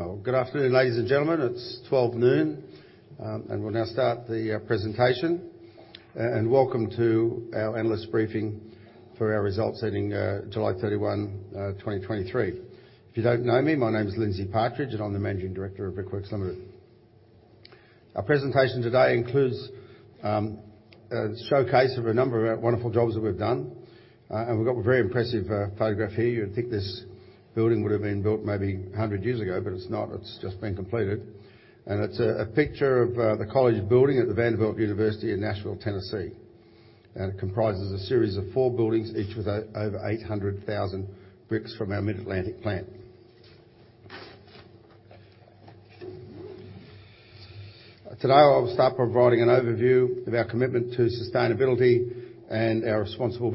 Oh, good afternoon, ladies and gentlemen. It's 12 noon, and we'll now start the presentation. And welcome to our analyst briefing for our results ending July 31, 2023. If you don't know me, my name is Lindsay Partridge, and I'm the Managing Director of Brickworks Limited. Our presentation today includes a showcase of a number of our wonderful jobs that we've done. And we've got a very impressive photograph here. You would think this building would have been built maybe 100 years ago, but it's not. It's just been completed. And it's a picture of the college building at Vanderbilt University in Nashville, Tennessee, and it comprises a series of four buildings, each with over 800,000 bricks from our Mid-Atlantic plant. Today, I'll start by providing an overview of our commitment to sustainability and our responsible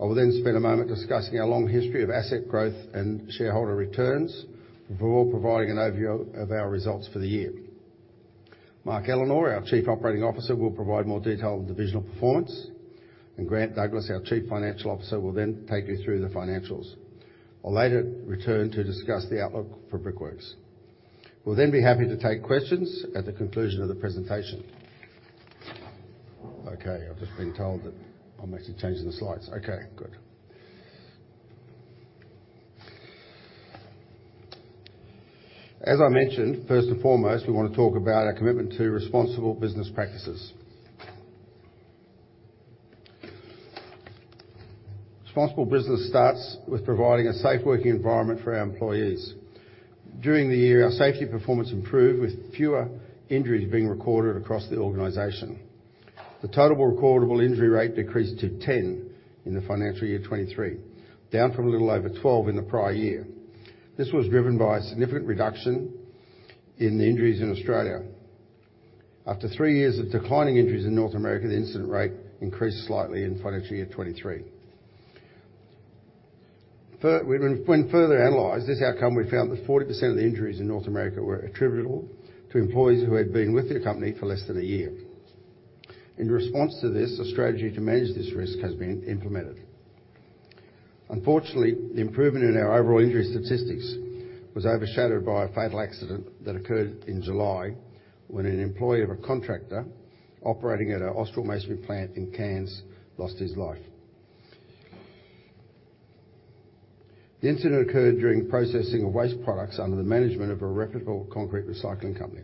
business. I will then spend a moment discussing our long history of asset growth and shareholder returns, before providing an overview of our results for the year. Mark Ellenor, our Chief Operating Officer, will provide more detail on divisional performance, and Grant Douglas, our Chief Financial Officer, will then take you through the financials. I'll later return to discuss the outlook for Brickworks. We'll then be happy to take questions at the conclusion of the presentation. Okay, I've just been told that I'll make some changes in the slides. Okay, good. As I mentioned, first and foremost, we want to talk about our commitment to responsible business practices. Responsible business starts with providing a safe working environment for our employees. During the year, our safety performance improved, with fewer injuries being recorded across the organization. The total recordable injury rate decreased to 10 in the financial year 2023, down from a little over 12 in the prior year. This was driven by a significant reduction in the injuries in Australia. After three years of declining injuries in North America, the incident rate increased slightly in financial year 2023. When further analyzed this outcome, we found that 40% of the injuries in North America were attributable to employees who had been with the company for less than one year. In response to this, a strategy to manage this risk has been implemented. Unfortunately, the improvement in our overall injury statistics was overshadowed by a fatal accident that occurred in July, when an employee of a contractor operating at our Austral Masonry plant in Cairns lost his life. The incident occurred during processing of waste products under the management of a reputable concrete recycling company.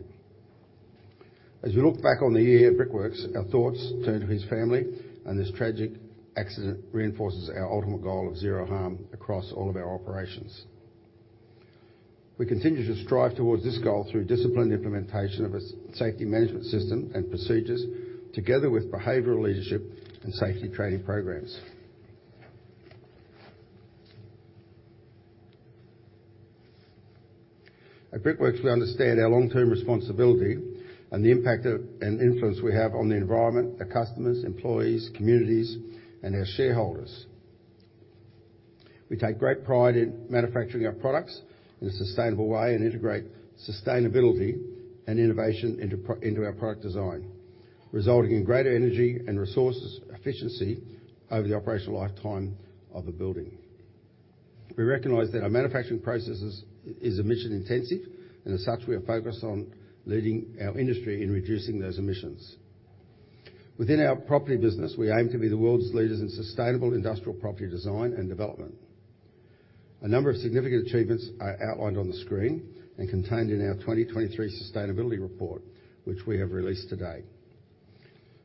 As we look back on the year at Brickworks, our thoughts turn to his family, and this tragic accident reinforces our ultimate goal of zero harm across all of our operations. We continue to strive toward this goal through disciplined implementation of safety management system and procedures, together with behavioral leadership and safety training programs. At Brickworks, we understand our long-term responsibility and the impact of and influence we have on the environment, our customers, employees, communities, and our shareholders. We take great pride in manufacturing our products in a sustainable way and integrate sustainability and innovation into our product design, resulting in greater energy and resources efficiency over the operational lifetime of the building. We recognize that our manufacturing processes is emission intensive, and as such, we are focused on leading our industry in reducing those emissions. Within our property business, we aim to be the world's leaders in sustainable industrial property design and development. A number of significant achievements are outlined on the screen and contained in our 2023 sustainability report, which we have released today.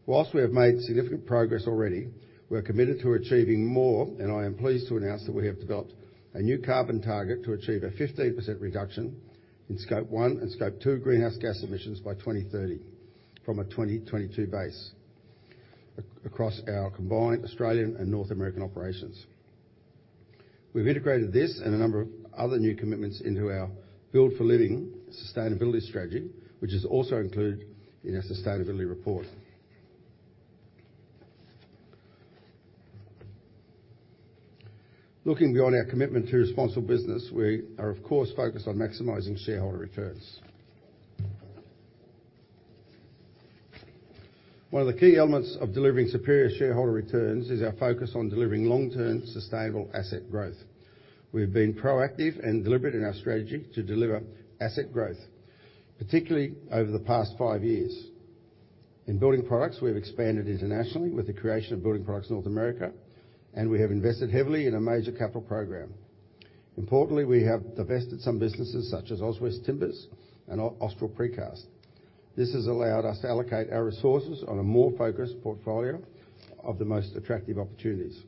While we have made significant progress already, we're committed to achieving more, and I am pleased to announce that we have developed a new carbon target to achieve a 15% reduction in Scope 1 and Scope 2 greenhouse gas emissions by 2030, from a 2022 base across our combined Australian and North American operations. We've integrated this and a number of other new commitments into our Build for Living sustainability strategy, which is also included in our sustainability report. Looking beyond our commitment to responsible business, we are, of course, focused on maximizing shareholder returns. One of the key elements of delivering superior shareholder returns is our focus on delivering long-term, sustainable asset growth. We've been proactive and deliberate in our strategy to deliver asset growth, particularly over the past five years. In building products, we've expanded internationally with the creation of Building Products North America, and we have invested heavily in a major capital program. Importantly, we have divested some businesses such as Auswest Timbers and Austral Precast. This has allowed us to allocate our resources on a more focused portfolio of the most attractive opportunities.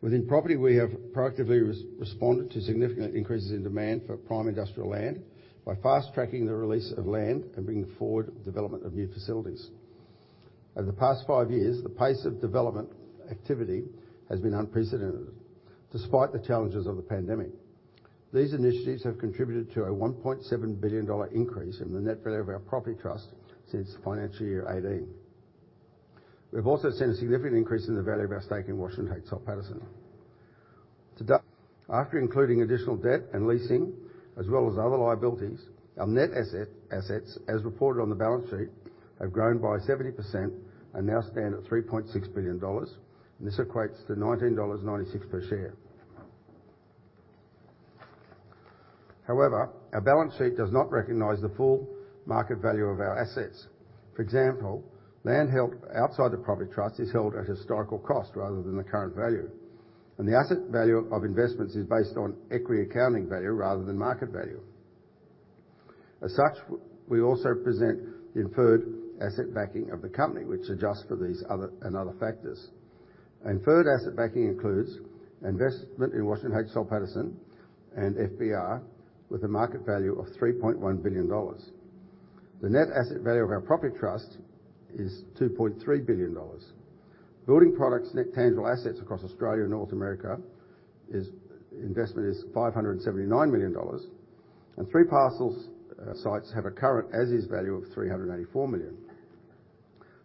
Within property, we have proactively responded to significant increases in demand for prime industrial land by fast-tracking the release of land and bringing forward development of new facilities. Over the past five years, the pace of development activity has been unprecedented, despite the challenges of the pandemic. These initiatives have contributed to a 1.7 billion dollar increase in the net value of our property trust since financial year 2018. We've also seen a significant increase in the value of our stake in Washington H. Soul Pattinson. Today, after including additional debt and leasing as well as other liabilities, our net assets, as reported on the balance sheet, have grown by 70% and now stand at 3.6 billion dollars. This equates to 19.96 dollars per share. However, our balance sheet does not recognize the full market value of our assets. For example, land held outside the property trust is held at historical cost rather than the current value, and the asset value of investments is based on equity accounting value rather than market value. As such, we also present the inferred asset backing of the company, which adjusts for these other and other factors. Inferred asset backing includes investment in Washington H. Soul Pattinson and FBR, with a market value of 3.1 billion dollars. The net asset value of our property trust is 2.3 billion dollars. Building Products' net tangible assets across Australia and North America is investment is AUD 579 million, and three parcels, sites have a current as-is value of AUD 384 million.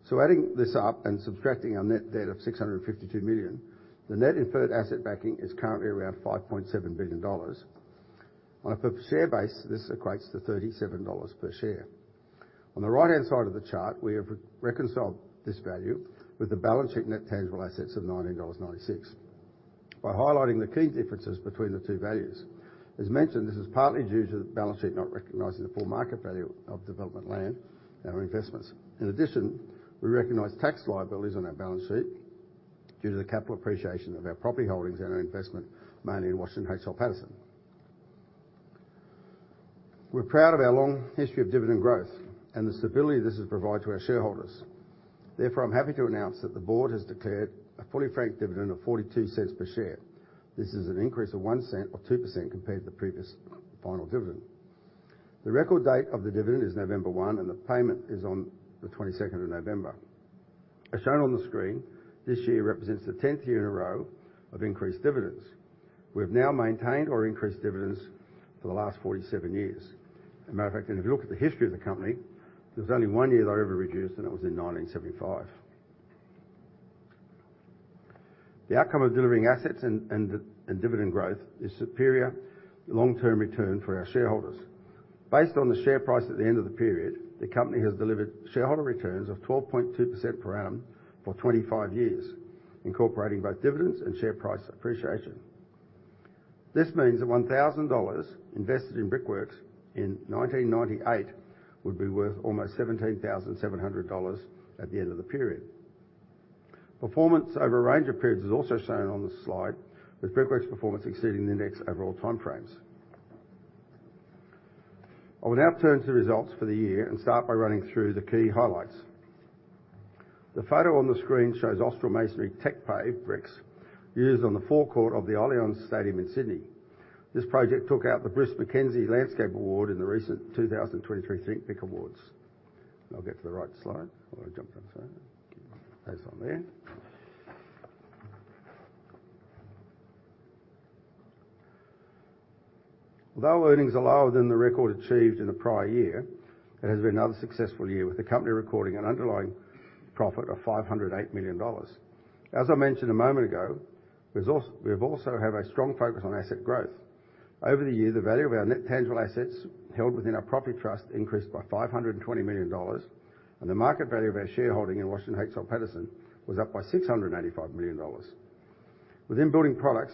So adding this up and subtracting our net debt of AUD 652 million, the net inferred asset backing is currently around AUD 5.7 billion. On a per share basis, this equates to $37 per share. On the right-hand side of the chart, we have reconciled this value with the balance sheet net tangible assets of 19.96 dollars. By highlighting the key differences between the two values. As mentioned, this is partly due to the balance sheet not recognizing the full market value of development land and our investments. In addition, we recognize tax liabilities on our balance sheet due to the capital appreciation of our property holdings and our investment, mainly in Washington H. Soul Pattinson. We're proud of our long history of dividend growth and the stability this has provided to our shareholders. Therefore, I'm happy to announce that the board has declared a fully franked dividend of 0.42 per share. This is an increase of 0.01 or 2% compared to the previous final dividend. The record date of the dividend is November 1, and the payment is on the November 22nd. As shown on the screen, this year represents the 10th year in a row of increased dividends. We've now maintained or increased dividends for the last 47 years. As a matter of fact, and if you look at the history of the company, there's only one year they ever reduced, and that was in 1975. The outcome of delivering assets and dividend growth is superior long-term return for our shareholders. Based on the share price at the end of the period, the company has delivered shareholder returns of 12.2% per annum for 25 years, incorporating both dividends and share price appreciation. This means that 1,000 dollars invested in Brickworks in 1998 would be worth almost 17,700 dollars at the end of the period. Performance over a range of periods is also shown on this slide, with Brickworks's performance exceeding the index over all time frames. I will now turn to the results for the year and start by running through the key highlights. The photo on the screen shows Austral Masonry Techpave bricks used on the forecourt of the Allianz Stadium in Sydney. This project took out the Bruce Mackenzie Landscape Award in the recent 2023 Think Brick Awards. I'll get to the right slide. I jumped on, so... That's on there. Although earnings are lower than the record achieved in the prior year, it has been another successful year, with the company recording an underlying profit of 508 million dollars. As I mentioned a moment ago, we've also, we've also have a strong focus on asset growth. Over the year, the value of our net tangible assets held within our property trust increased by 520 million dollars, and the market value of our shareholding in Washington H. Soul Pattinson was up by 685 million dollars. Within Building Products,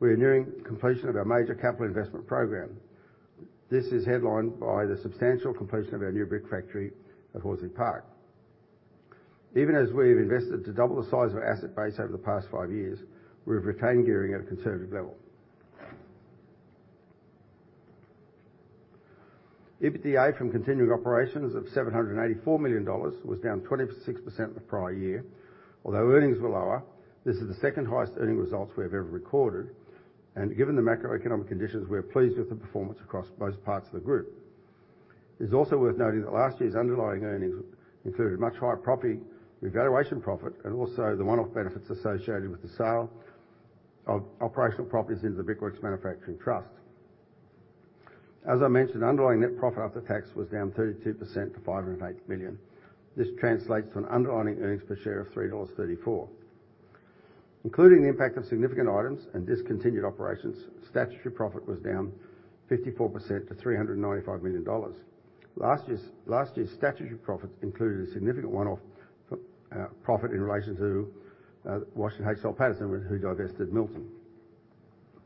we are nearing completion of our major capital investment program. This is headlined by the substantial completion of our new brick factory at Horsley Park. Even as we've invested to double the size of our asset base over the past 5 years, we've retained gearing at a conservative level. EBITDA from continuing operations of 784 million dollars was down 26% the prior year. Although earnings were lower, this is the second-highest earning results we have ever recorded, and given the macroeconomic conditions, we are pleased with the performance across most parts of the group. It is also worth noting that last year's underlying earnings included much higher property revaluation profit, and also the one-off benefits associated with the sale of operational properties in the Brickworks Manufacturing Trust. As I mentioned, underlying net profit after tax was down 32% to 508 million. This translates to an underlying earnings per share of 3.34 dollars. Including the impact of significant items and discontinued operations, statutory profit was down 54% to 395 million dollars. Last year's statutory profits included a significant one-off profit in relation to Washington H. Soul Pattinson, who divested Milton.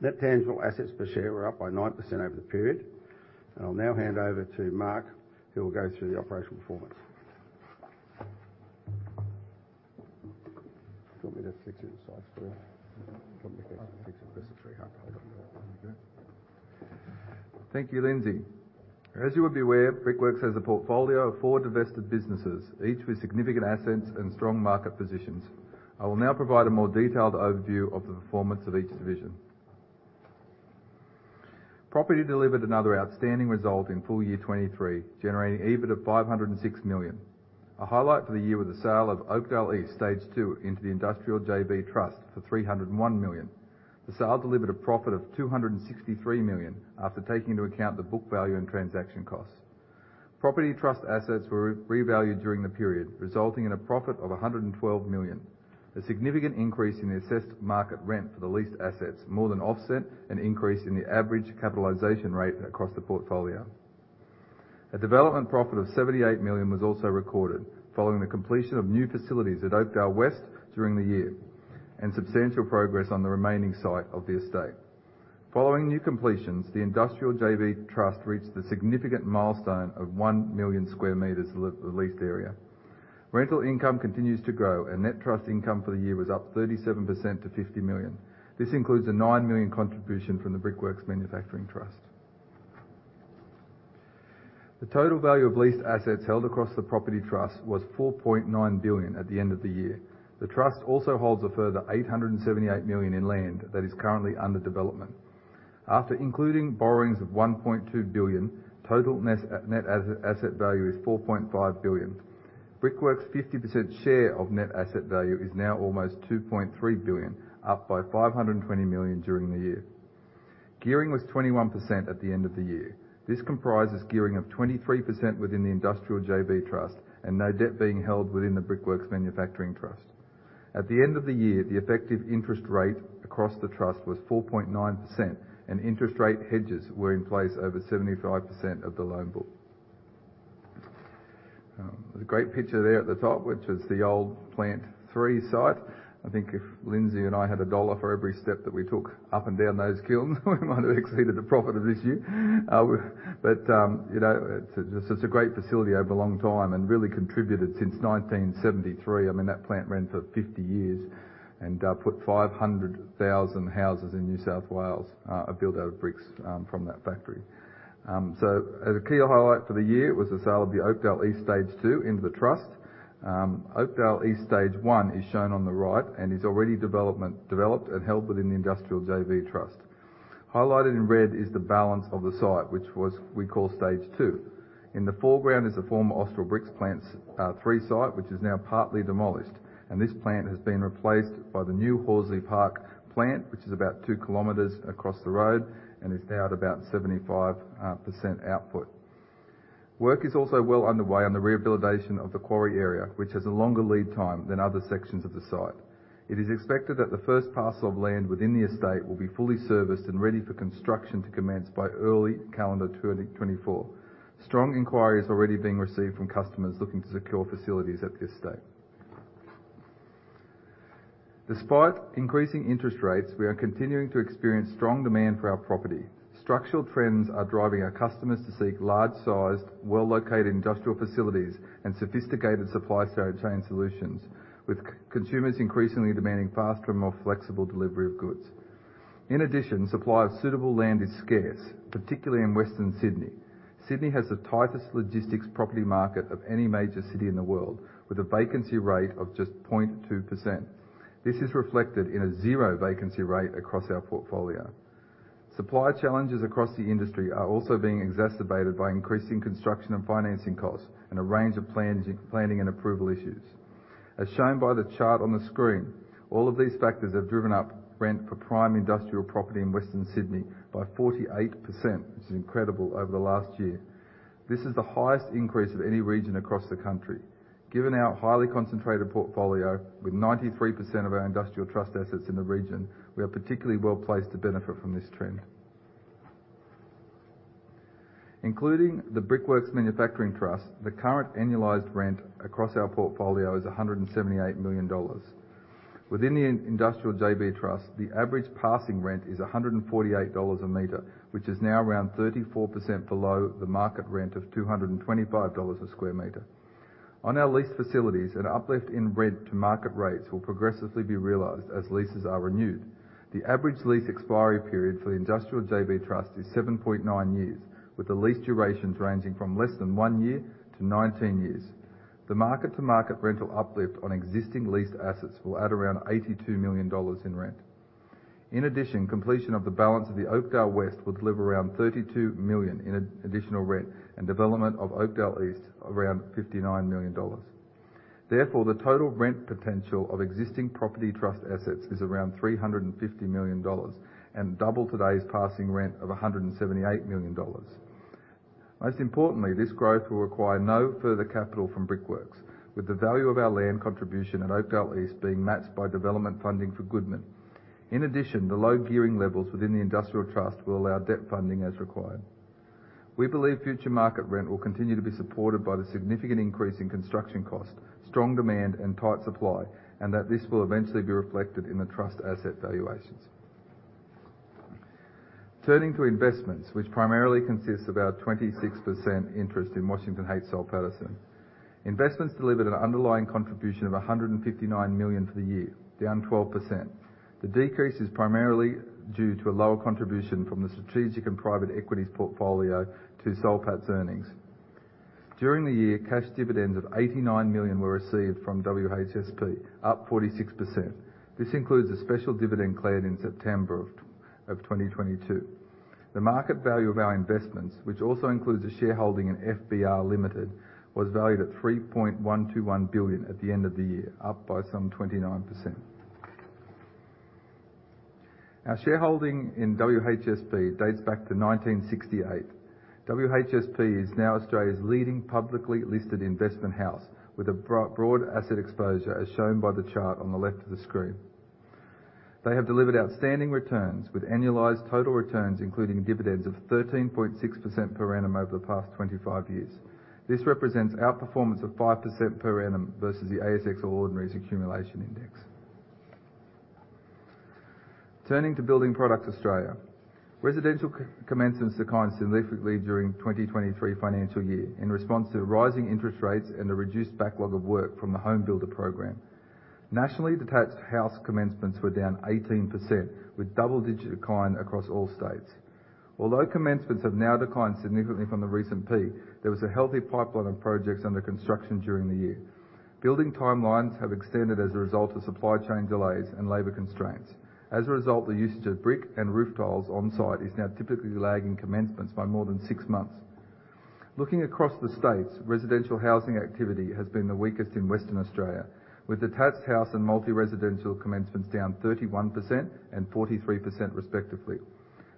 Net tangible assets per share were up by 9% over the period, and I'll now hand over to Mark, who will go through the operational performance. Do you want me to fix the size for you? Do you want me to fix it? That's at 300. Thank you, Lindsay. As you would be aware, Brickworks has a portfolio of four divested businesses, each with significant assets and strong market positions. I will now provide a more detailed overview of the performance of each division. Property delivered another outstanding result in full year 2023, generating EBIT of 506 million. A highlight for the year was the sale of Oakdale East Stage 2 into the Industrial JV Trust for 301 million. The sale delivered a profit of 263 million, after taking into account the book value and transaction costs.... Property trust assets were revalued during the period, resulting in a profit of 112 million. A significant increase in the assessed market rent for the leased assets more than offset an increase in the average capitalization rate across the portfolio. A development profit of 78 million was also recorded following the completion of new facilities at Oakdale West during the year, and substantial progress on the remaining site of the estate. Following new completions, the Industrial JV Trust reached the significant milestone of 1 million square meters the leased area. Rental income continues to grow, and net trust income for the year was up 37% to 50 million. This includes a 9 million contribution from the Brickworks Manufacturing Trust. The total value of leased assets held across the property trust was 4.9 billion at the end of the year. The trust also holds a further 878 million in land that is currently under development. After including borrowings of 1.2 billion, total net asset value is 4.5 billion. Brickworks' 50% share of net asset value is now almost 2.3 billion, up by 520 million during the year. Gearing was 21% at the end of the year. This comprises gearing of 23% within the Industrial JV Trust, and no debt being held within the Brickworks Manufacturing Trust. At the end of the year, the effective interest rate across the trust was 4.9%, and interest rate hedges were in place over 75% of the loan book. There's a great picture there at the top, which is the old Plant Three site. I think if Lindsay and I had a dollar for every step that we took up and down those kilns, we might have exceeded the profit of this year. But you know, it's just a great facility over a long time and really contributed since 1973. I mean, that plant ran for 50 years and put 500,000 houses in New South Wales are built out of bricks from that factory. So as a key highlight for the year was the sale of the Oakdale East Stage Two into the trust. Oakdale East Stage One is shown on the right and is already developed and held within the Industrial JV Trust. Highlighted in red is the balance of the site, which we call Stage Two. In the foreground is the former Austral Bricks Plant Three site, which is now partly demolished, and this plant has been replaced by the new Horsley Park plant, which is about 2 kilometers across the road and is now at about 75% output. Work is also well underway on the rehabilitation of the quarry area, which has a longer lead time than other sections of the site. It is expected that the first parcel of land within the estate will be fully serviced and ready for construction to commence by early calendar 2024. Strong inquiry is already being received from customers looking to secure facilities at this stage. Despite increasing interest rates, we are continuing to experience strong demand for our property. Structural trends are driving our customers to seek large-sized, well-located industrial facilities and sophisticated supply chain solutions, with consumers increasingly demanding faster and more flexible delivery of goods. In addition, supply of suitable land is scarce, particularly in Western Sydney. Sydney has the tightest logistics property market of any major city in the world, with a vacancy rate of just 0.2%. This is reflected in a zero vacancy rate across our portfolio. Supply challenges across the industry are also being exacerbated by increasing construction and financing costs and a range of planning and approval issues. As shown by the chart on the screen, all of these factors have driven up rent for prime industrial property in Western Sydney by 48%, which is incredible, over the last year. This is the highest increase of any region across the country. Given our highly concentrated portfolio, with 93% of our industrial trust assets in the region, we are particularly well placed to benefit from this trend. Including the Brickworks Manufacturing Trust, the current annualized rent across our portfolio is 178 million dollars. Within the industrial JV trust, the average passing rent is 148 dollars a meter, which is now around 34% below the market rent of 225 dollars a square meter. On our leased facilities, an uplift in rent to market rates will progressively be realized as leases are renewed. The average lease expiry period for the Industrial JV Trust is 7.9 years, with the lease durations ranging from less than one year to 19 years. The market-to-market rental uplift on existing leased assets will add around 82 million dollars in rent. In addition, completion of the balance of the Oakdale West will deliver around 32 million in additional rent, and development of Oakdale East, around 59 million dollars. Therefore, the total rent potential of existing property trust assets is around 350 million dollars, and double today's passing rent of 178 million dollars. Most importantly, this growth will require no further capital from Brickworks, with the value of our land contribution at Oakdale East being matched by development funding for Goodman. In addition, the low gearing levels within the industrial trust will allow debt funding as required. We believe future market rent will continue to be supported by the significant increase in construction costs, strong demand, and tight supply, and that this will eventually be reflected in the trust asset valuations. Turning to investments, which primarily consists of our 26% interest in Washington H. Soul Pattinson. Investments delivered an underlying contribution of 159 million for the year, down 12%. The decrease is primarily due to a lower contribution from the strategic and private equities portfolio to Soul Patts earnings. During the year, cash dividends of 89 million were received from WHSP, up 46%. This includes a special dividend cleared in September of 2022. The market value of our investments, which also includes a shareholding in FBR Limited, was valued at 3.121 billion at the end of the year, up by some 29%.... Our shareholding in WHSP dates back to 1968. WHSP is now Australia's leading publicly listed investment house, with a broad asset exposure, as shown by the chart on the left of the screen. They have delivered outstanding returns with annualized total returns, including dividends of 13.6% per annum over the past 25 years. This represents outperformance of 5% per annum versus the ASX Ordinaries Accumulation Index. Turning to Building Products Australia. Residential commencements declined significantly during 2023 financial year in response to rising interest rates and a reduced backlog of work from the HomeBuilder program. Nationally, detached house commencements were down 18%, with double-digit decline across all states. Although commencements have now declined significantly from the recent peak, there was a healthy pipeline of projects under construction during the year. Building timelines have extended as a result of supply chain delays and labor constraints. As a result, the usage of brick and roof tiles on site is now typically lagging commencements by more than six months. Looking across the states, residential housing activity has been the weakest in Western Australia, with detached house and multi-residential commencements down 31% and 43% respectively.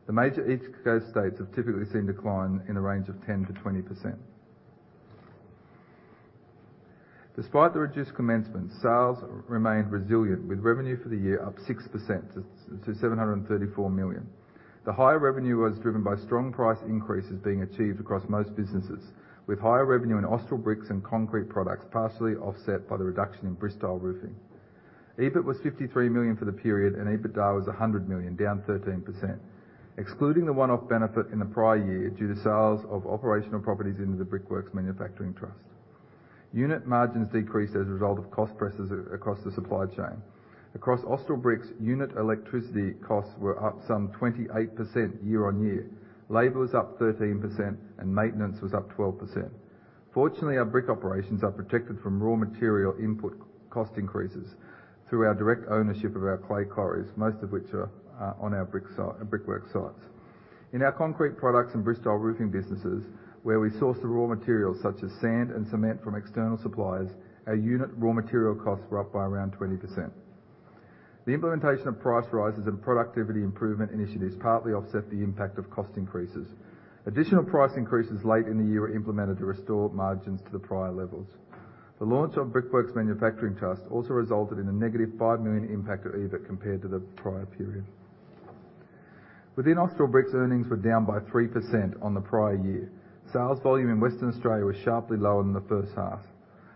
The major east coast states have typically seen decline in the range of 10%-20%. Despite the reduced commencement, sales remained resilient, with revenue for the year up 6% to 734 million. The higher revenue was driven by strong price increases being achieved across most businesses, with higher revenue in Austral Bricks and Concrete Products, partially offset by the reduction in Bristile Roofing. EBIT was 53 million for the period, and EBITDA was 100 million, down 13%, excluding the one-off benefit in the prior year due to sales of operational properties into the Brickworks Manufacturing Trust. Unit margins decreased as a result of cost pressures across the supply chain. Across Austral Bricks, unit electricity costs were up some 28% year-on-year. Labor was up 13%, and maintenance was up 12%. Fortunately, our brick operations are protected from raw material input cost increases through our direct ownership of our clay quarries, most of which are on our brick site - Brickworks sites. In our Concrete Products and Bristile Roofing businesses, where we source the raw materials such as sand and cement from external suppliers, our unit raw material costs were up by around 20%. The implementation of price rises and productivity improvement initiatives partly offset the impact of cost increases. Additional price increases late in the year were implemented to restore margins to the prior levels. The launch of Brickworks Manufacturing Trust also resulted in a negative 5 million impact to EBIT compared to the prior period. Within Austral Bricks, earnings were down by 3% on the prior year. Sales volume in Western Australia was sharply lower than the first half.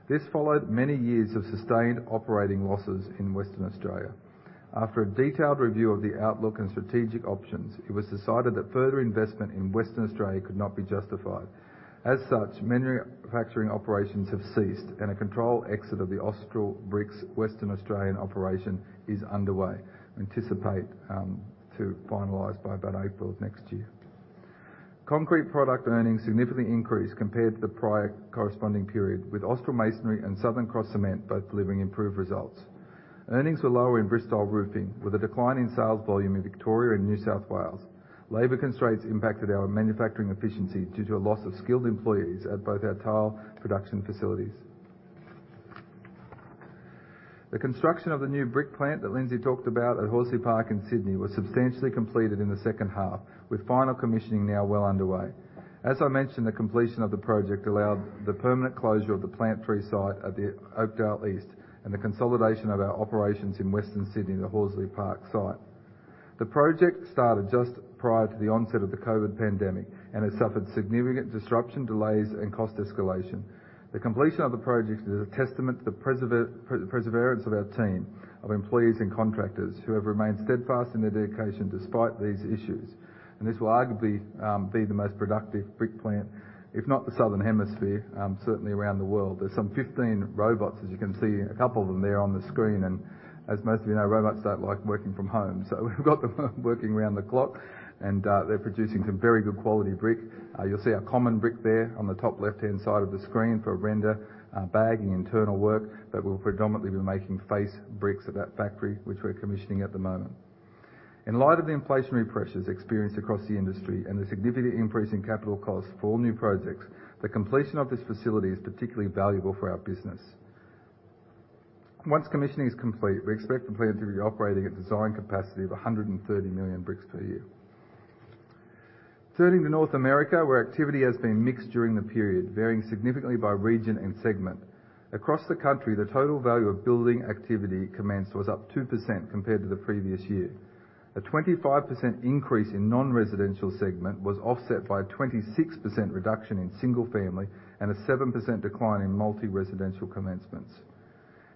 This followed many years of sustained operating losses in Western Australia. After a detailed review of the outlook and strategic options, it was decided that further investment in Western Australia could not be justified. As such, manufacturing operations have ceased and a controlled exit of the Austral Bricks Western Australian operation is underway. Anticipate to finalize by about April of next year. Concrete product earnings significantly increased compared to the prior corresponding period, with Austral Masonry and Southern Cross Cement both delivering improved results. Earnings were lower in Bristile Roofing, with a decline in sales volume in Victoria and New South Wales. Labor constraints impacted our manufacturing efficiency due to a loss of skilled employees at both our tile production facilities. The construction of the new brick plant that Lindsay talked about at Horsley Park in Sydney was substantially completed in the second half, with final commissioning now well underway. As I mentioned, the completion of the project allowed the permanent closure of the Plant Three site at the Oakdale East, and the consolidation of our operations in Western Sydney, the Horsley Park site. The project started just prior to the onset of the COVID pandemic and has suffered significant disruption, delays, and cost escalation. The completion of the project is a testament to the perseverance of our team, of employees and contractors who have remained steadfast in their dedication despite these issues. This will arguably be the most productive brick plant, if not the Southern Hemisphere, certainly around the world. There's some 15 robots, as you can see, a couple of them there on the screen, and as most of you know, robots don't like working from home. So we've got them working around the clock, and they're producing some very good quality brick. You'll see our common brick there on the top left-hand side of the screen for render, bag, and internal work, but we'll predominantly be making face bricks at that factory, which we're commissioning at the moment. In light of the inflationary pressures experienced across the industry and the significant increase in capital costs for all new projects, the completion of this facility is particularly valuable for our business. Once commissioning is complete, we expect the plant to be operating at design capacity of 130 million bricks per year. Turning to North America, where activity has been mixed during the period, varying significantly by region and segment. Across the country, the total value of building activity commenced was up 2% compared to the previous year. A 25% increase in non-residential segment was offset by a 26% reduction in single family and a 7% decline in multi-residential commencements.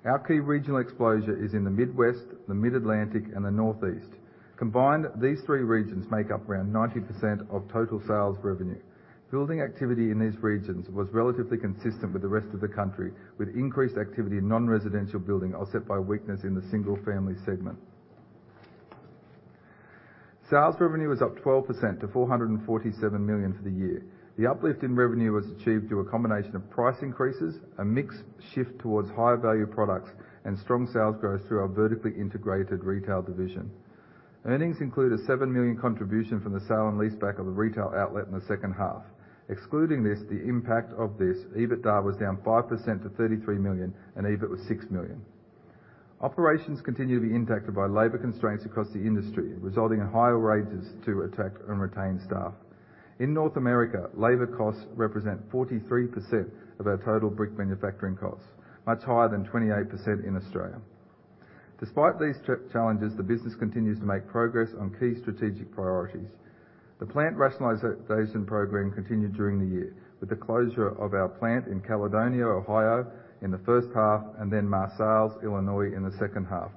Our key regional exposure is in the Midwest, the Mid-Atlantic, and the Northeast. Combined, these three regions make up around 90% of total sales revenue. Building activity in these regions was relatively consistent with the rest of the country, with increased activity in non-residential building, offset by weakness in the single-family segment. Sales revenue is up 12% to $447 million for the year. The uplift in revenue was achieved through a combination of price increases, a mix shift towards higher value products, and strong sales growth through our vertically integrated retail division. Earnings include a 7 million contribution from the sale and leaseback of a retail outlet in the second half. Excluding this, the impact of this, EBITDA was down 5% to 33 million, and EBIT was 6 million.... Operations continue to be impacted by labor constraints across the industry, resulting in higher wages to attract and retain staff. In North America, labor costs represent 43% of our total brick manufacturing costs, much higher than 28% in Australia. Despite these challenges, the business continues to make progress on key strategic priorities. The plant rationalization program continued during the year, with the closure of our plant in Caledonia, Ohio, in the first half, and then Marseilles, Illinois, in the second half.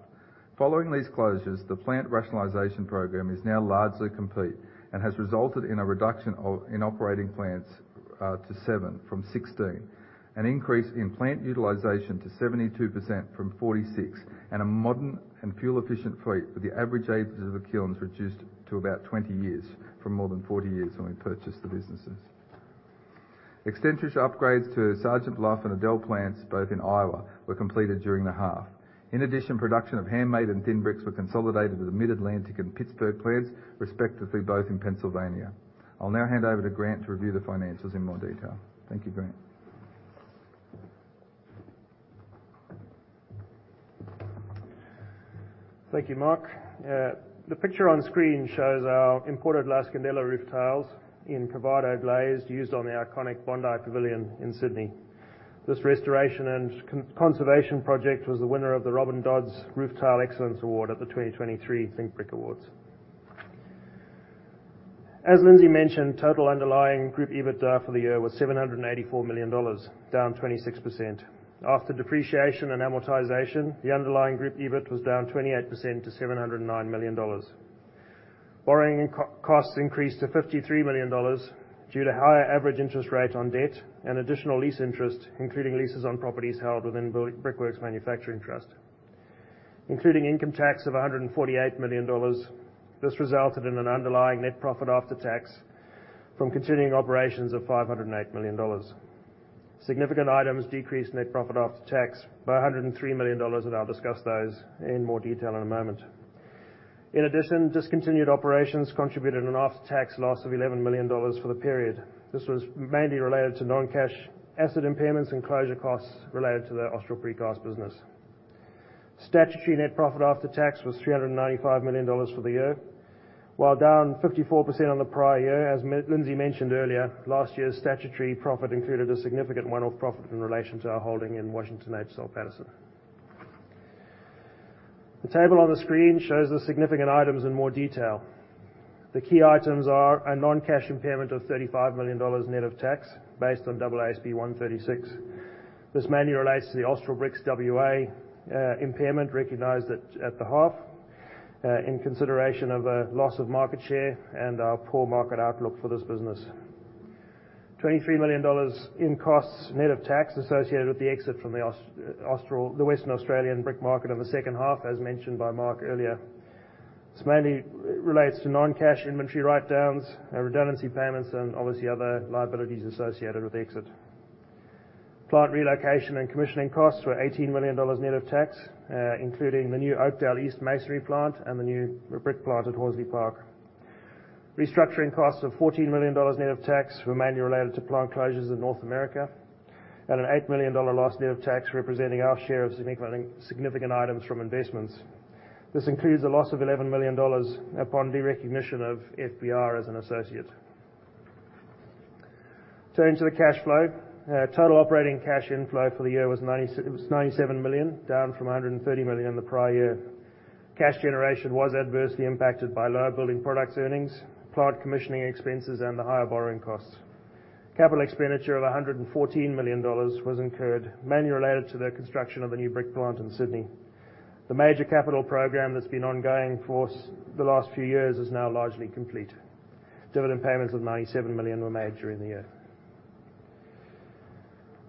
Following these closures, the plant rationalization program is now largely complete and has resulted in a reduction in operating plants to seven from 16, an increase in plant utilization to 72% from 46, and a modern and fuel-efficient fleet, with the average age of the kilns reduced to about 20 years from more than 40 years when we purchased the businesses. Extension upgrades to Sergeant Bluff and Adel plants, both in Iowa, were completed during the half. In addition, production of handmade and thin bricks were consolidated with the Mid-Atlantic and Pittsburgh plants, respectively, both in Pennsylvania. I'll now hand over to Grant to review the financials in more detail. Thank you, Grant. Thank you, Mark. The picture on screen shows our imported La Scandella roof tiles in Curvado Glaze, used on the iconic Bondi Pavilion in Sydney. This restoration and conservation project was the winner of the Robin Dodds Roof Tile Excellence Award at the 2023 Think Brick Awards. As Lindsay mentioned, total underlying group EBITDA for the year was 784 million dollars, down 26%. After depreciation and amortization, the underlying group EBIT was down 28% to 709 million dollars. Borrowing and costs increased to 53 million dollars due to higher average interest rate on debt and additional lease interest, including leases on properties held within Brickworks Manufacturing Trust. Including income tax of 148 million dollars, this resulted in an underlying net profit after tax from continuing operations of 508 million dollars. Significant items decreased net profit after tax by 103 million dollars, and I'll discuss those in more detail in a moment. In addition, discontinued operations contributed an after-tax loss of 11 million dollars for the period. This was mainly related to non-cash asset impairments and closure costs related to the Austral Precast business. Statutory net profit after tax was 395 million dollars for the year. While down 54% on the prior year, as Lindsay mentioned earlier, last year's statutory profit included a significant one-off profit in relation to our holding in Washington H. Soul Pattinson. The table on the screen shows the significant items in more detail. The key items are a non-cash impairment of 35 million dollars net of tax, based on AASB 136. This mainly relates to the Austral Bricks WA impairment, recognized at the half, in consideration of a loss of market share and our poor market outlook for this business. 23 million dollars in costs net of tax associated with the exit from the Austral, the Western Australian brick market in the second half, as mentioned by Mark earlier. This mainly relates to non-cash inventory write-downs, redundancy payments, and obviously other liabilities associated with exit. Plant relocation and commissioning costs were 18 million dollars net of tax, including the new Oakdale East masonry plant and the new brick plant at Horsley Park. Restructuring costs of 14 million dollars net of tax were mainly related to plant closures in North America, and an 8 million dollar loss net of tax, representing our share of significant items from investments. This includes a loss of 11 million dollars upon derecognition of FBR as an associate. Turning to the cash flow. Total operating cash inflow for the year was 97 million, down from 130 million the prior year. Cash generation was adversely impacted by lower building products earnings, plant commissioning expenses, and the higher borrowing costs. Capital expenditure of 114 million dollars was incurred, mainly related to the construction of a new brick plant in Sydney. The major capital program that's been ongoing for the last few years is now largely complete. Dividend payments of 97 million were made during the year.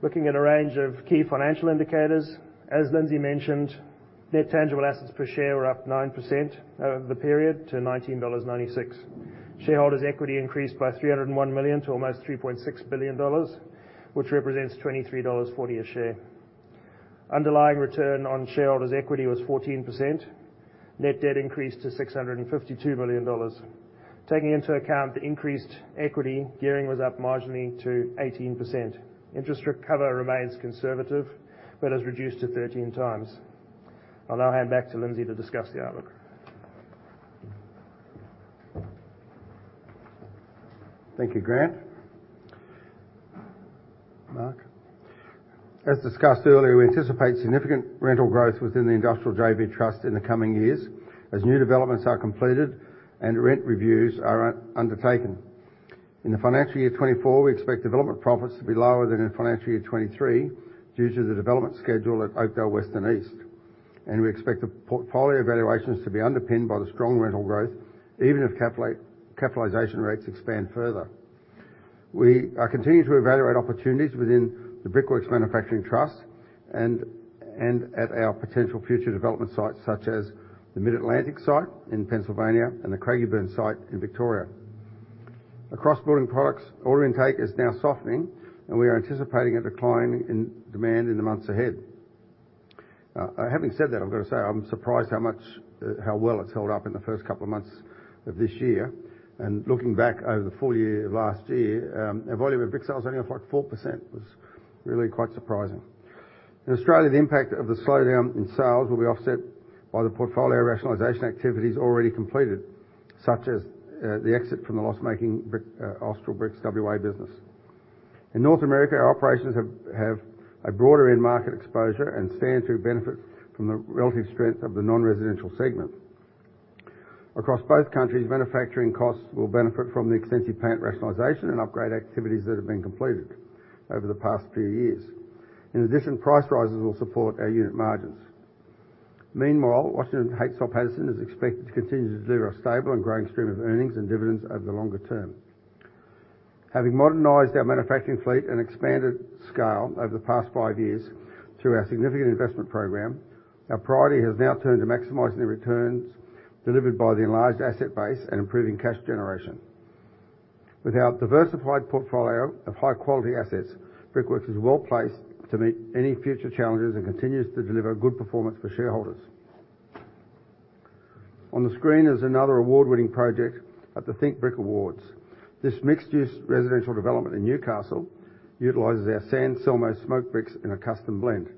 Looking at a range of key financial indicators, as Lindsay mentioned, net tangible assets per share were up 9% over the period to 19.96 dollars. Shareholders' equity increased by 301 million to almost 3.6 billion dollars, which represents 23.40 dollars a share. Underlying return on shareholders' equity was 14%. Net debt increased to 652 million dollars. Taking into account the increased equity, gearing was up marginally to 18%. Interest cover remains conservative, but has reduced to 13 times. I'll now hand back to Lindsay to discuss the outlook. Thank you, Grant. Mark? As discussed earlier, we anticipate significant rental growth within the Industrial JV Trust in the coming years as new developments are completed and rent reviews are undertaken. In the financial year 2024, we expect development profits to be lower than in financial year 2023 due to the development schedule at Oakdale West and East, and we expect the portfolio evaluations to be underpinned by the strong rental growth, even if capitalization rates expand further. We are continuing to evaluate opportunities within the Brickworks Manufacturing Trust and at our potential future development sites, such as the Mid-Atlantic site in Pennsylvania and the Craigieburn site in Victoria. Across Building Products, order intake is now softening, and we are anticipating a decline in demand in the months ahead. Having said that, I've got to say, I'm surprised how much, how well it's held up in the first couple of months of this year. And looking back over the full year of last year, our volume of brick sales only up, like, 4% was really quite surprising.... In Australia, the impact of the slowdown in sales will be offset by the portfolio rationalization activities already completed, such as, the exit from the loss-making brick, Austral Bricks WA business. In North America, our operations have a broader end market exposure and stand to benefit from the relative strength of the non-residential segment. Across both countries, manufacturing costs will benefit from the extensive plant rationalization and upgrade activities that have been completed over the past few years. In addition, price rises will support our unit margins. Meanwhile, Washington H. Soul Pattinson is expected to continue to deliver a stable and growing stream of earnings and dividends over the longer term. Having modernized our manufacturing fleet and expanded scale over the past five years through our significant investment program, our priority has now turned to maximizing the returns delivered by the enlarged asset base and improving cash generation. With our diversified portfolio of high-quality assets, Brickworks is well-placed to meet any future challenges and continues to deliver good performance for shareholders. On the screen is another award-winning project at the Think Brick Awards. This mixed-use residential development in Newcastle utilizes our San Selmo smoke bricks in a custom blend.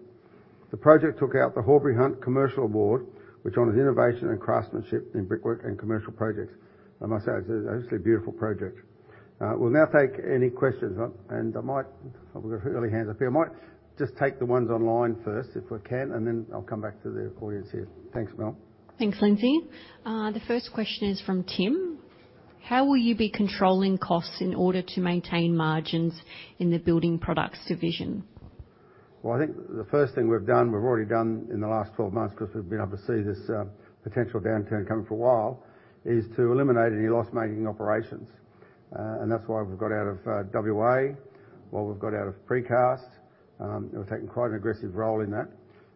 The project took out the Horbury Hunt Commercial Award, which honors innovation and craftsmanship in brickwork and commercial projects. I must say, it's obviously a beautiful project. We'll now take any questions, and I might... We've got early hands up here. I might just take the ones online first, if we can, and then I'll come back to the audience here. Thanks, Mel. Thanks, Lindsay. The first question is from Tim: How will you be controlling costs in order to maintain margins in the building products division? Well, I think the first thing we've done, we've already done in the last 12 months, because we've been able to see this, potential downturn coming for a while, is to eliminate any loss-making operations. And that's why we've got out of, WA, why we've got out of Precast. We've taken quite an aggressive role in that.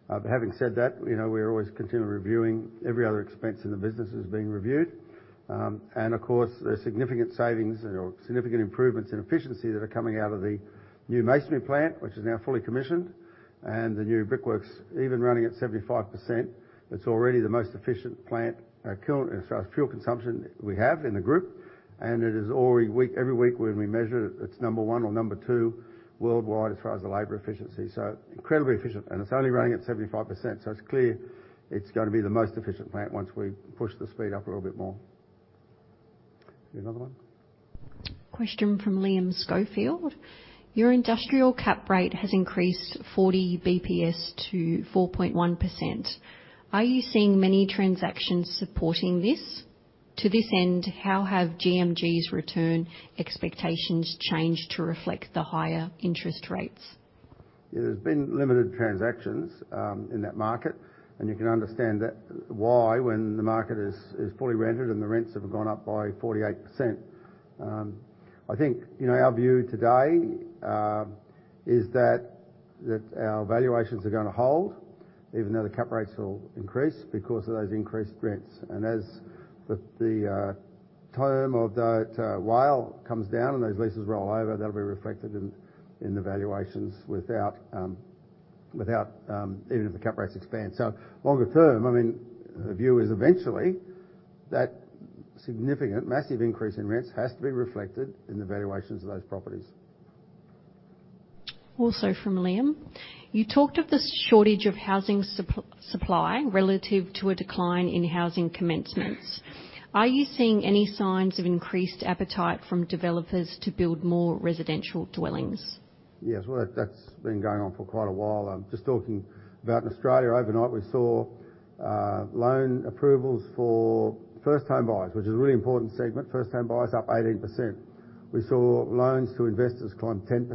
But having said that, you know, we're always continually reviewing every other expense in the business is being reviewed. And of course, there are significant savings or significant improvements in efficiency that are coming out of the new masonry plant, which is now fully commissioned, and the new Brickworks, even running at 75%, it's already the most efficient plant, kiln, as far as fuel consumption we have in the group, and it is already every week when we measure it, it's number one or number two worldwide as far as the labor efficiency, so incredibly efficient, and it's only running at 75%. So it's clear it's going to be the most efficient plant once we push the speed up a little bit more. Any other one? Question from Liam Schofield: Your industrial cap rate has increased 40 BPS to 4.1%. Are you seeing many transactions supporting this? To this end, how have GMG's return expectations changed to reflect the higher interest rates? There's been limited transactions in that market, and you can understand that, why, when the market is fully rented and the rents have gone up by 48%. I think, you know, our view today is that our valuations are gonna hold even though the cap rates will increase because of those increased rents. And as the term of that WALE comes down and those leases roll over, that'll be reflected in the valuations without even if the cap rates expand. So longer term, I mean, the view is eventually that significant, massive increase in rents has to be reflected in the valuations of those properties. Also from Liam: You talked of the shortage of housing supply relative to a decline in housing commencements. Are you seeing any signs of increased appetite from developers to build more residential dwellings? Yes. Well, that, that's been going on for quite a while. Just talking about in Australia, overnight, we saw, loan approvals for first-time buyers, which is a really important segment. First-time buyers up 18%. We saw loans to investors climb 10%.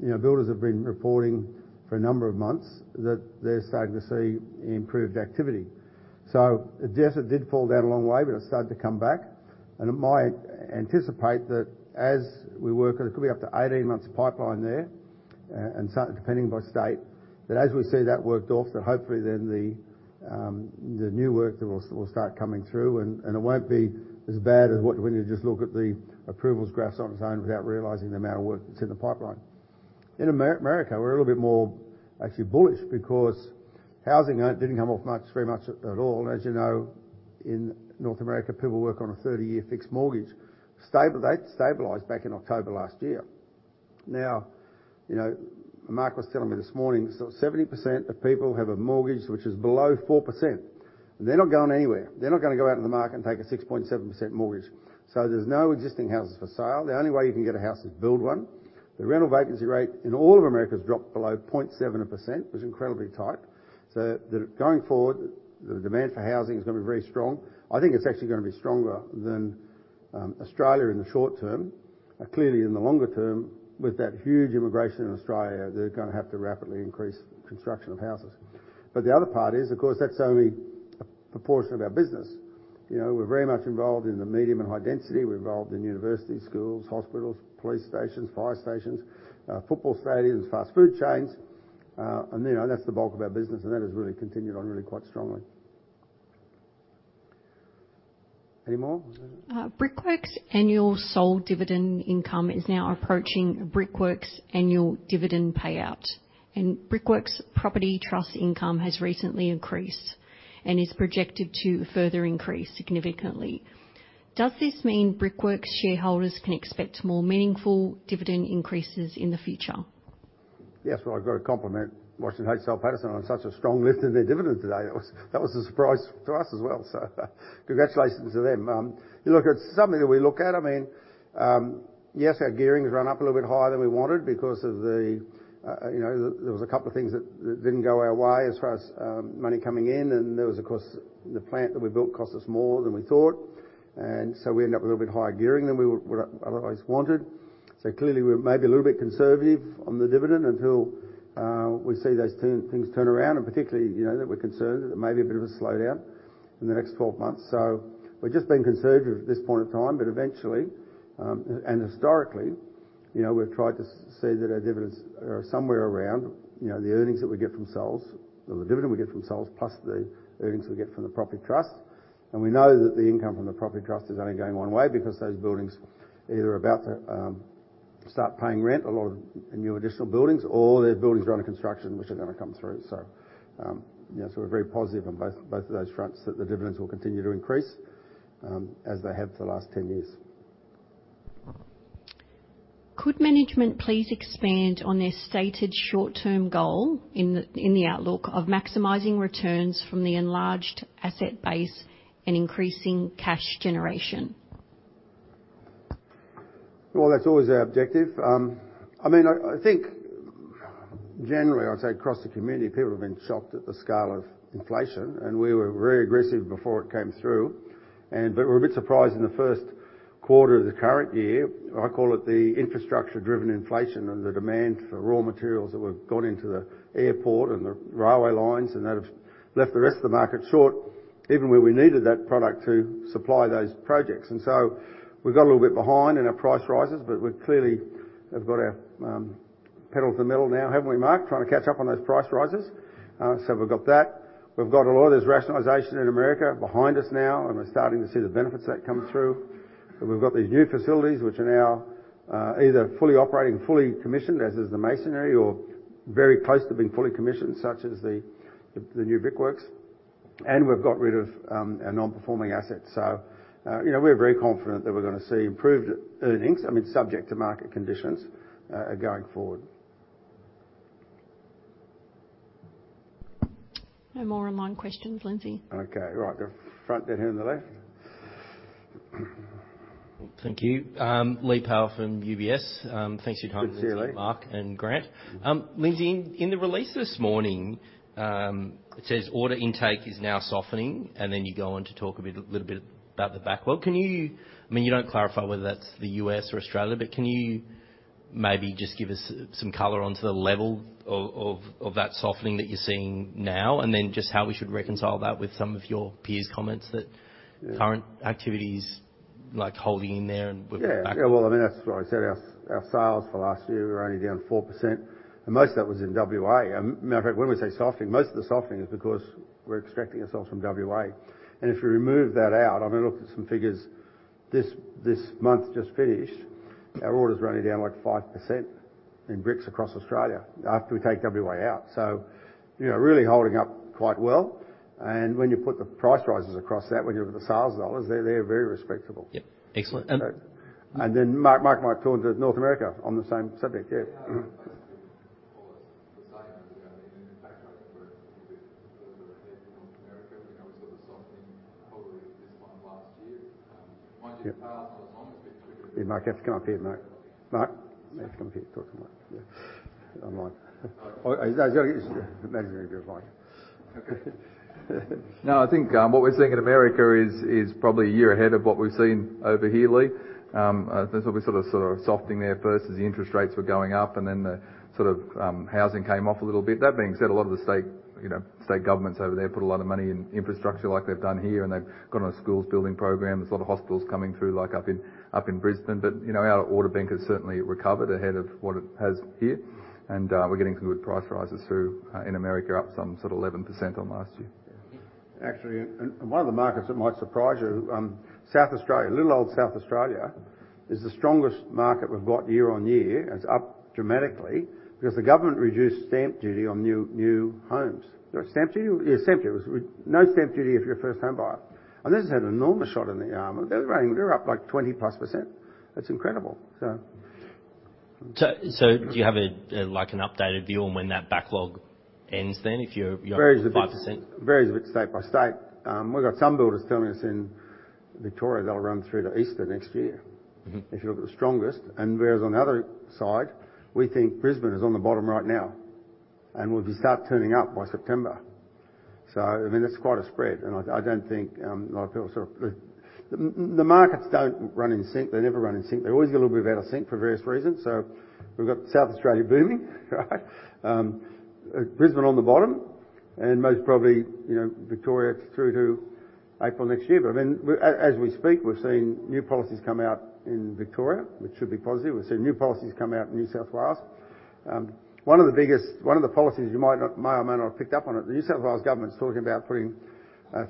You know, builders have been reporting for a number of months that they're starting to see improved activity. So yes, it did fall down a long way, but it started to come back, and it might anticipate that as we work, it could be up to 18 months of pipeline there, and so depending by state, but as we see that worked off, that hopefully then the new work then will start coming through, and it won't be as bad as what, when you just look at the approvals graphs on its own without realizing the amount of work that's in the pipeline. In America, we're a little bit more actually bullish because housing didn't come off much, very much at all. As you know, in North America, people work on a 30-year fixed mortgage. That stabilized back in October last year. Now, you know, Mark was telling me this morning, so 70% of people have a mortgage, which is below 4%. They're not going anywhere. They're not gonna go out in the market and take a 6.7% mortgage. So there's no existing houses for sale. The only way you can get a house is build one. The rental vacancy rate in all of America has dropped below 0.7%, which is incredibly tight. So, going forward, the demand for housing is gonna be very strong. I think it's actually gonna be stronger than Australia in the short term. Clearly, in the longer term, with that huge immigration in Australia, they're gonna have to rapidly increase construction of houses. But the other part is, of course, that's only a proportion of our business. You know, we're very much involved in the medium and high density. We're involved in universities, schools, hospitals, police stations, fire stations, football stadiums, fast food chains, and, you know, that's the bulk of our business, and that has really continued on really quite strongly. Any more? Brickworks' annual sole dividend income is now approaching Brickworks' annual dividend payout, and Brickworks' property trust income has recently increased and is projected to further increase significantly... Does this mean Brickworks shareholders can expect more meaningful dividend increases in the future? Yes, well, I've got to compliment Washington H. Soul Pattinson on such a strong lift in their dividend today. That was, that was a surprise to us as well. So congratulations to them. Look, it's something that we look at. I mean, yes, our gearing's run up a little bit higher than we wanted because of the, you know, there was a couple of things that, that didn't go our way as far as, money coming in, and there was, of course, the plant that we built cost us more than we thought, and so we end up with a little bit higher gearing than we would otherwise wanted. So clearly, we're maybe a little bit conservative on the dividend until we see those turn, things turn around, and particularly, you know, that we're concerned that there may be a bit of a slowdown in the next 12 months. So we're just being conservative at this point in time, but eventually, and historically, you know, we've tried to see that our dividends are somewhere around, you know, the earnings that we get from sales, or the dividend we get from sales, plus the earnings we get from the property trust. And we know that the income from the property trust is only going one way because those buildings either are about to start paying rent, a lot of new additional buildings, or their buildings are under construction, which are gonna come through. So, yes, we're very positive on both, both of those fronts that the dividends will continue to increase, as they have for the last 10 years. Could management please expand on their stated short-term goal in the outlook of maximizing returns from the enlarged asset base and increasing cash generation? Well, that's always our objective. I mean, I think generally, I'd say across the community, people have been shocked at the scale of inflation, and we were very aggressive before it came through. But we're a bit surprised in the first quarter of the current year. I call it the infrastructure-driven inflation and the demand for raw materials that we've got into the airport and the railway lines, and they've left the rest of the market short, even when we needed that product to supply those projects. And so we got a little bit behind in our price rises, but we've clearly have got our, pedal to the metal now, haven't we, Mark? Trying to catch up on those price rises. So we've got that. We've got a lot of this rationalization in America behind us now, and we're starting to see the benefits that come through. But we've got these new facilities which are now either fully operating, fully commissioned, as is the masonry or very close to being fully commissioned, such as the new Brickworks. And we've got rid of a non-performing asset. So, you know, we're very confident that we're going to see improved earnings, I mean, subject to market conditions, going forward. No more online questions, Lindsay. Okay, right. The front there, here on the left. Thank you. Lee Powell from UBS. Thanks for your time- Good to see you, Lee. -Mark and Grant. Lindsay, in the release this morning, it says, "Order intake is now softening," and then you go on to talk a bit, little bit about the backlog. Can you... I mean, you don't clarify whether that's the U.S. or Australia, but can you maybe just give us some color on the level of that softening that you're seeing now, and then just how we should reconcile that with some of your peers' comments that- Yeah Current activity is, like, holding in there, and with the backlog? Yeah, yeah, well, I mean, that's what I said. Our sales for last year were only down 4%, and most of that was in WA. And matter of fact, when we say softening, most of the softening is because we're extracting ourselves from WA. And if you remove that out, I mean, I looked at some figures this month just finished, our order is running down, like 5% in bricks across Australia after we take WA out. So, you know, really holding up quite well. And when you put the price rises across that, when you look at the sales dollars, they're very respectable. Yep. Excellent, and- And then Mark, Mark might talk to North America on the same subject. Yeah. Yeah, basically, all the same as we go, and in fact, I think we're a bit further ahead in North America. You know, we saw the softening probably this time last year. Mind you, the past on this one has been pretty- Mark, you have to come up here, Mark. Mark, you have to come up here and talk to Mark. Yeah. Online. Oh, is that... Imagine if you're fine. Okay. No, I think what we're seeing in America is probably a year ahead of what we've seen over here, Lee. There's obviously sort of softening there first as the interest rates were going up, and then the sort of housing came off a little bit. That being said, a lot of the state, you know, state governments over there put a lot of money in infrastructure like they've done here, and they've got on a schools building program. There's a lot of hospitals coming through, like up in Brisbane. But, you know, our order bank has certainly recovered ahead of what it has here, and we're getting some good price rises through in America, up some sort of 11% on last year. Actually, one of the markets that might surprise you, South Australia. Little old South Australia is the strongest market we've got year-on-year. It's up dramatically because the government reduced stamp duty on new, new homes. Is there a stamp duty? Yeah, stamp duty. There was no stamp duty if you're a first-time buyer. And this had an enormous shot in the arm. They're running, they're up, like, 20+%. That's incredible, so... So, do you have a, like, an updated view on when that backlog ends then, if you're up 5%? Varies a bit, varies a bit state by state. We've got some builders telling us in Victoria they'll run through to Easter next year- Mm-hmm... if you look at the strongest, and whereas on the other side, we think Brisbane is on the bottom right now, and will be start turning up by September. So, I mean, that's quite a spread, and I don't think a lot of people sort of... The markets don't run in sync. They never run in sync. They're always a little bit out of sync for various reasons. So we've got South Australia booming, right? Brisbane on the bottom, and most probably, you know, Victoria through to April next year. But then, as we speak, we're seeing new policies come out in Victoria, which should be positive. We're seeing new policies come out in New South Wales. One of the biggest, one of the policies you might not, may or may not have picked up on it, the New South Wales government is talking about putting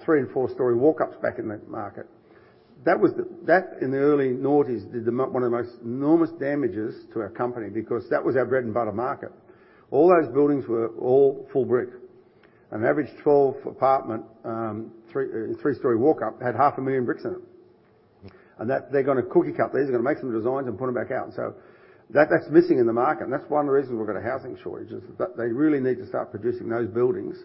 three- and four-story walk-ups back in the market. That, in the early noughties, did one of the most enormous damages to our company because that was our bread and butter market. All those buildings were all full brick. An average 12-apartment, three-story walk-up had half a million bricks in it. And that they're gonna cookie cut these, they're gonna make some designs and put them back out. So that, that's missing in the market, and that's one of the reasons we've got a housing shortage, is that they really need to start producing those buildings.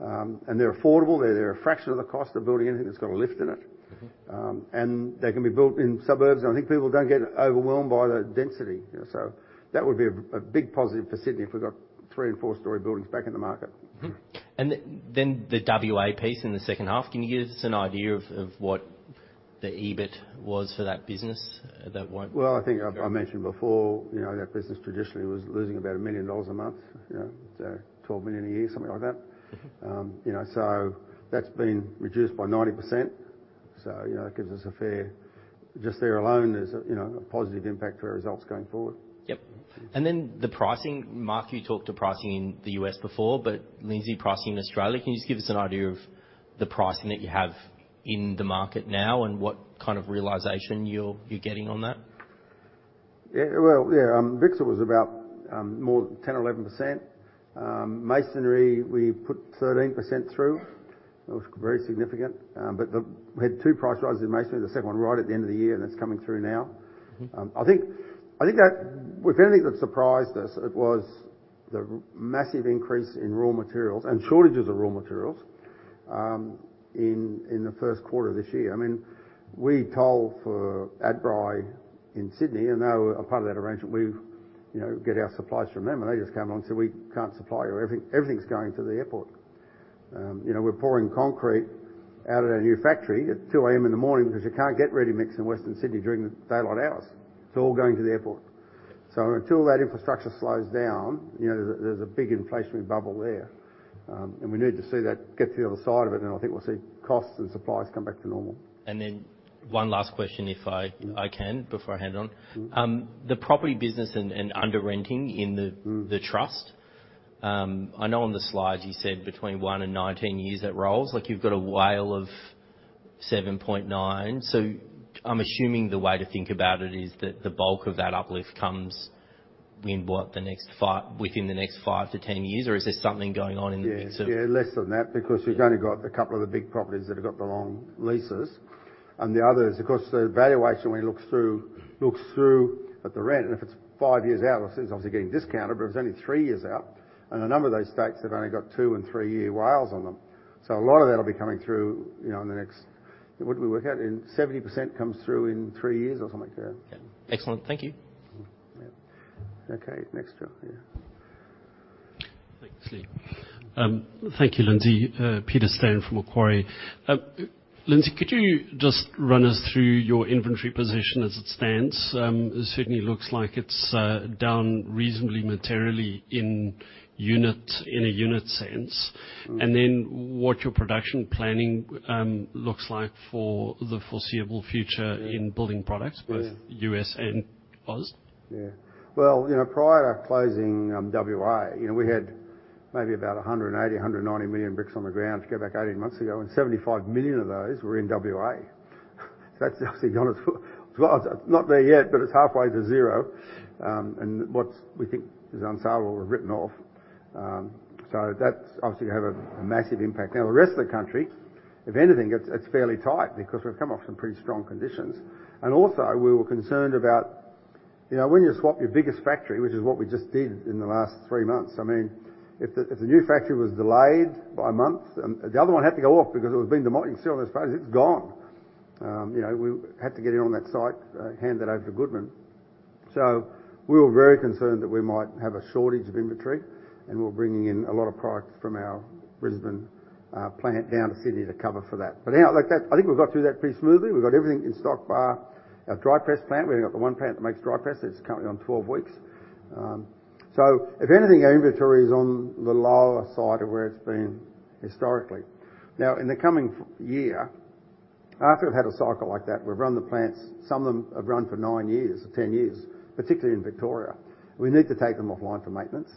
They're affordable, they're a fraction of the cost of building anything that's got a lift in it. Mm-hmm. And they can be built in suburbs, and I think people don't get overwhelmed by the density, you know? So that would be a big positive for Sydney if we got three- and four-story buildings back in the market. Mm-hmm. And then the WA piece in the second half, can you give us an idea of what the EBIT was for that business? That won't- Well, I think I mentioned before, you know, that business traditionally was losing about 1 million dollars a month, you know, so 12 million a year, something like that. Mm-hmm. You know, so that's been reduced by 90%. So, you know, it gives us a fair-- Just there alone, there's a, you know, a positive impact to our results going forward. Yep. And then the pricing. Mark, you talked to pricing in the U.S. before, but Lindsay, pricing in Australia, can you just give us an idea of the pricing that you have in the market now and what kind of realization you're getting on that? Yeah. Well, yeah. Bricks was about more 10 or 11%. Masonry, we put 13% through. It was very significant, but we had two price rises in masonry, the second one right at the end of the year, and that's coming through now. Mm-hmm. I think, I think that if anything that surprised us, it was the massive increase in raw materials and shortages of raw materials, in the first quarter of this year. I mean, we told for Adbri in Sydney, and they are a part of that arrangement, we, you know, get our supplies from them, and they just come on and say, "We can't supply you. Everything, everything's going to the airport." You know, we're pouring concrete out of their new factory at 2:00 A.M. in the morning because you can't get ready mix in Western Sydney during the daylight hours. It's all going to the airport. So until that infrastructure slows down, you know, there's a big inflationary bubble there. We need to see that get to the other side of it, and I think we'll see costs and supplies come back to normal. Then one last question, if I can, before I hand it on. Mm-hmm. The property business and under renting in the- Mm-hmm the trust. I know on the slides you said between one and 19 years, that rolls. Like, you've got a WALE of 7.9, so I'm assuming the way to think about it is that the bulk of that uplift comes in what, within the next 5-10 years? Or is there something going on in the- Yeah, yeah, less than that, because we've only got a couple of the big properties that have got the long leases. And the others, of course, the valuation, when you look through, look through at the rent, and if it's five years out, obviously, it's obviously getting discounted, but it's only three years out, and a number of those states have only got 2- and 3-year WALEs on them. So a lot of that will be coming through, you know, in the next... What did we work out? In 70% comes through in three years or something like that. Okay. Excellent. Thank you. Yeah. Okay, next, Joe. Yeah. Thanks, Lee. Thank you, Lindsay. Peter Steyn from Macquarie. Lindsay, could you just run us through your inventory position as it stands? It certainly looks like it's down reasonably, materially in unit, in a unit sense. Mm. What your production planning looks like for the foreseeable future? Yeah in building products Yeah Both U.S. and Aus? Yeah. Well, you know, prior to closing, WA, you know, we had maybe about 180 million-190 million bricks on the ground to go back 18 months ago, and 75 million of those were in W.A.. That's obviously not as far. It's not there yet, but it's halfway to zero. And what we think is unsellable, we've written off. So that's obviously has a massive impact. Now, the rest of the country, if anything, it's fairly tight because we've come off some pretty strong conditions. And also, we were concerned about, you know, when you swap your biggest factory, which is what we just did in the last 3 months, I mean, if the new factory was delayed by a month, the other one had to go off because it was being demolished. You see all the space, it's gone. You know, we had to get in on that site, hand it over to Goodman. So we were very concerned that we might have a shortage of inventory, and we're bringing in a lot of products from our Brisbane plant down to Sydney to cover for that. But now, like that, I think we've got through that pretty smoothly. We've got everything in stock bar our dry press plant. We've only got the one plant that makes dry press. It's currently on 12 weeks. So if anything, our inventory is on the lower side of where it's been historically. Now, in the coming fiscal year, after we've had a cycle like that, we've run the plants, some of them have run for 9 years or 10 years, particularly in Victoria. We need to take them offline for maintenance.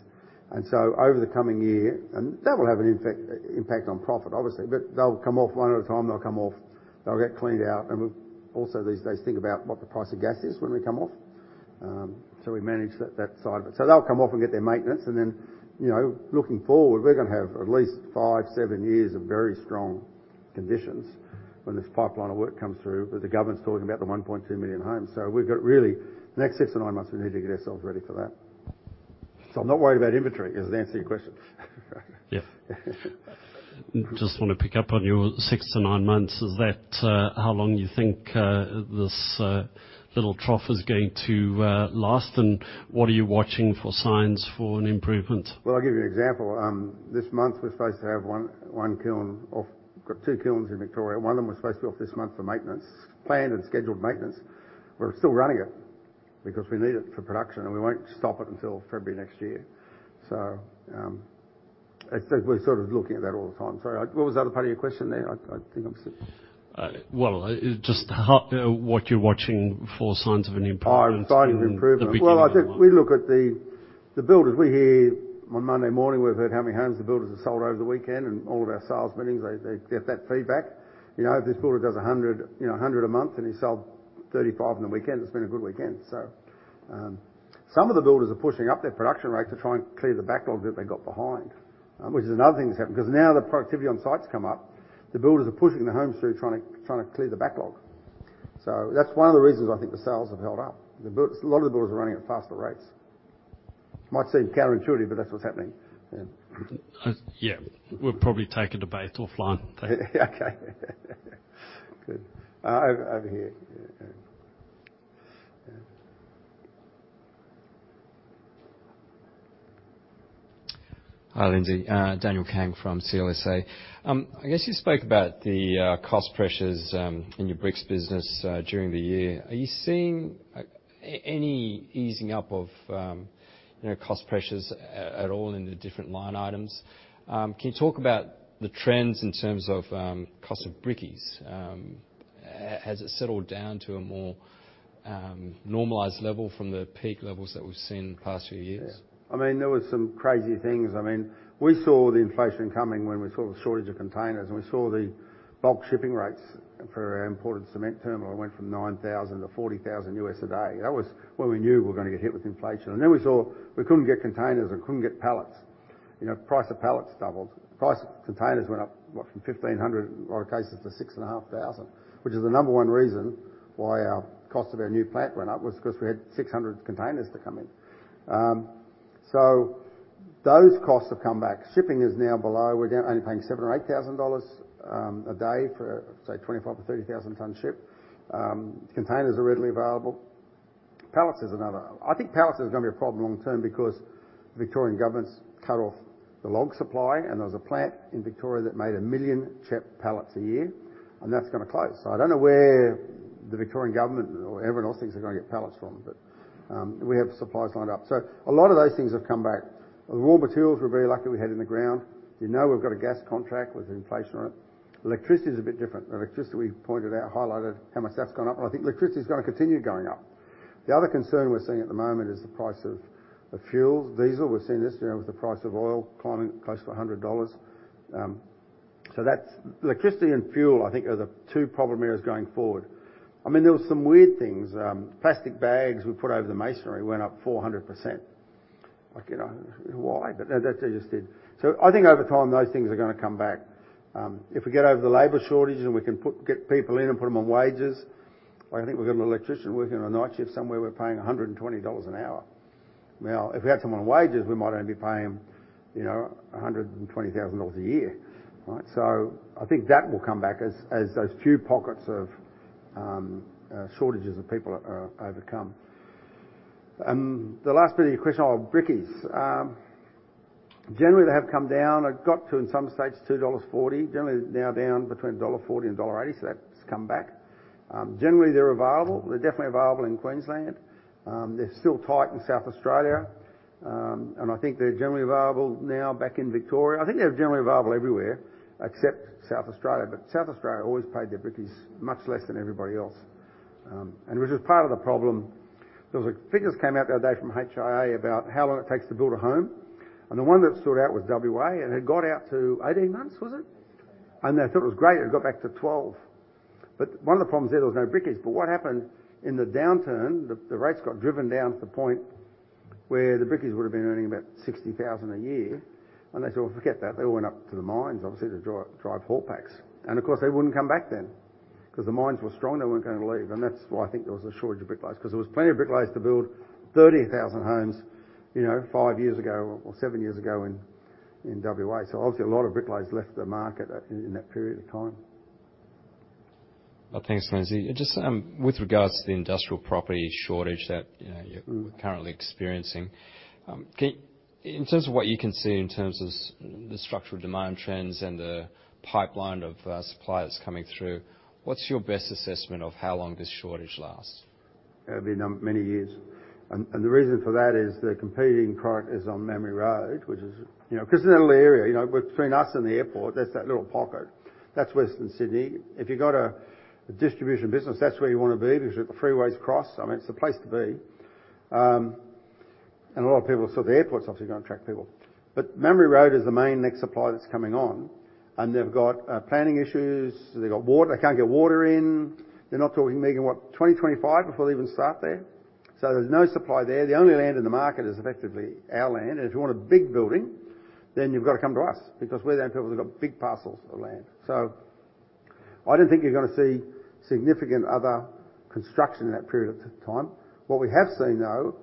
So over the coming year, and that will have an effect, impact on profit, obviously, but they'll come off one at a time. They'll come off, they'll get cleaned out, and we'll also these days think about what the price of gas is when we come off. So we manage that, that side of it. So they'll come off and get their maintenance, and then, you know, looking forward, we're going to have at least 5-7 years of very strong conditions when this pipeline of work comes through, with the government's talking about the 1.2 million homes. So we've got really, the next 6-9 months, we need to get ourselves ready for that. So I'm not worried about inventory. Does it answer your question? Yeah. Just want to pick up on your 6-9 months. Is that how long you think this little trough is going to last? And what are you watching for signs for an improvement? Well, I'll give you an example. This month, we're supposed to have one kiln off. We've got two kilns in Victoria. One of them was supposed to be off this month for maintenance, planned and scheduled maintenance. We're still running it because we need it for production, and we won't stop it until February next year. So, we're sort of looking at that all the time. Sorry, what was the other part of your question there? I think I'm s- Well, just how, what you're watching for signs of an improvement- Oh, signs of improvement. In the beginning of the line. Well, I said we look at the builders. We hear, on Monday morning, we've heard how many homes the builders have sold over the weekend, and all of our sales meetings, they get that feedback. You know, if this builder does 100, you know, 100 a month and he sold 35 on the weekend, it's been a good weekend. So, some of the builders are pushing up their production rates to try and clear the backlog that they got behind, which is another thing that's happened, 'cause now the productivity on sites come up, the builders are pushing the homes through, trying to clear the backlog. So that's one of the reasons I think the sales have held up. A lot of the builders are running at faster rates. It might seem counterintuitive, but that's what's happening. Yeah. Yeah. We'll probably take a debate offline. Okay. Good. Over, over here. Yeah. Hi, Lindsay. Daniel Kang from CLSA. I guess you spoke about the cost pressures in your bricks business during the year. Are you seeing any easing up of, you know, cost pressures at all in the different line items? Can you talk about the trends in terms of cost of brickies? Has it settled down to a more normalized level from the peak levels that we've seen in the past few years? Yeah. I mean, there was some crazy things. I mean, we saw the inflation coming when we saw the shortage of containers, and we saw the bulk shipping rates for our imported cement terminal went from $9,000 to $40,000 a day. That was when we knew we were going to get hit with inflation. And then we saw we couldn't get containers and couldn't get pallets. You know, price of pallets doubled. Price of containers went up, what, from 1,500, a lot of cases, to 6,500, which is the number one reason why our cost of our new plant went up, was because we had 600 containers to come in. So those costs have come back. Shipping is now below. We're down, only paying $7,000 or $8,000 a day for, say, 25,000-30,000 ton ship. Containers are readily available. Pallets is another. I think pallets is going to be a problem long term because the Victorian government's cut off the log supply, and there was a plant in Victoria that made 1 million CHEP pallets a year, and that's going to close. So I don't know where the Victorian government or everyone else thinks they're going to get pallets from, but, we have supplies lined up. So a lot of those things have come back. The raw materials, we're very lucky we had in the ground. We know we've got a gas contract with inflation on it. Electricity is a bit different. The electricity, we pointed out, highlighted how much that's gone up, and I think electricity is going to continue going up. The other concern we're seeing at the moment is the price of fuel. Diesel, we're seeing this, you know, with the price of oil climbing close to $100. So that's—electricity and fuel, I think, are the two problem areas going forward. I mean, there was some weird things. Plastic bags we put over the masonry went up 400%. Like, you know, why? But that, they just did. So I think over time, those things are going to come back. If we get over the labor shortage and we can put, get people in and put them on wages, I think we've got an electrician working on a night shift somewhere, we're paying 120 dollars an hour. Now, if we had someone on wages, we might only be paying, you know, 120,000 dollars a year, right? So I think that will come back as those few pockets of shortages of people are overcome. The last bit of your question, oh, brickies. Generally, they have come down. It got to, in some states, 2.40 dollars. Generally, now down between dollar 1.40 and dollar 1.80, so that's come back. Generally, they're available. They're definitely available in Queensland. They're still tight in South Australia. And I think they're generally available now back in Victoria. I think they're generally available everywhere, except South Australia. But South Australia always paid their brickies much less than everybody else, and which is part of the problem. There were figures that came out the other day from HIA about how long it takes to build a home, and the one that stood out was WA, and it got out to 18 months, was it? Eighteen. They thought it was great, it got back to 12. But one of the problems there, there was no brickies. But what happened in the downturn, the, the rates got driven down to the point where the brickies would have been earning about 60,000 a year, and they said, "Well, forget that." They all went up to the mines, obviously, to drive, drive Haulpaks. And of course, they wouldn't come back then because the mines were strong, they weren't going to leave. And that's why I think there was a shortage of bricklayers, because there was plenty of bricklayers to build 30,000 homes, you know, five years ago or seven years ago in, in WA. So obviously, a lot of bricklayers left the market in, in that period of time. Well, thanks, Lindsay. Just, with regards to the industrial property shortage that, you know, you're currently experiencing, in terms of what you can see in terms of the structural demand trends and the pipeline of, suppliers coming through, what's your best assessment of how long this shortage lasts? It'll be many years. The reason for that is the competing product is on Mamre Road, which is, you know, because it's a little area, you know, between us and the airport, there's that little pocket. That's Western Sydney. If you've got a distribution business, that's where you want to be because the freeways cross. I mean, it's the place to be. And a lot of people, so the airport's obviously going to attract people. But Mamre Road is the main next supply that's coming on, and they've got planning issues, they've got water, they can't get water in. They're not talking making what? 2025 before they even start there. So there's no supply there. The only land in the market is effectively our land, and if you want a big building, then you've got to come to us because we're the only people who've got big parcels of land. So I don't think you're going to see significant other construction in that period of time. What we have seen, though,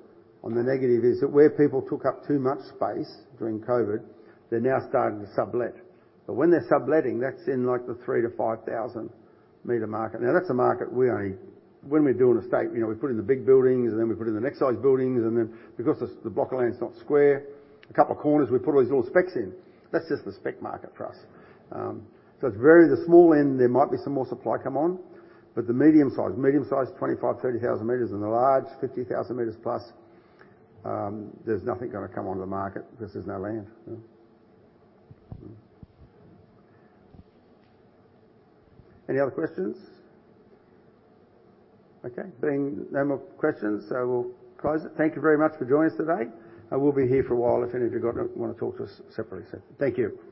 on the negative, is that where people took up too much space during COVID, they're now starting to sublet. But when they're subletting, that's in like the 3,000-5,000 meter market. Now, that's a market we only, when we do an estate, you know, we put in the big buildings, and then we put in the next size buildings, and then because the block of land is not square, a couple of corners, we put all these little specs in. That's just the spec market for us. So it's very, the small end, there might be some more supply come on, but the medium-sized, medium-sized, 25-30,000 meters, and the large, 50,000 meters plus, there's nothing going to come onto the market because there's no land. Any other questions? Okay. Seeing no more questions, I will close it. Thank you very much for joining us today, and we'll be here for a while if any of you got, want to talk to us separately. So thank you.